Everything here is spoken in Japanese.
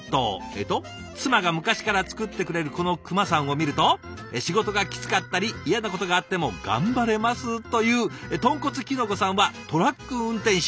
えっと「妻が昔から作ってくれるこのクマさんを見ると仕事がキツかったり嫌なことがあっても頑張れます」という豚骨キノコさんはトラック運転手。